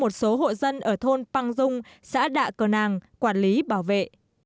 một số hộ dân ở thôn băng dung xã đạ cờ nàng quản lý bảo vệ